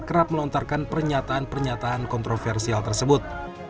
kerap melontarkan pernyataan pernyataan kontroversial tersebut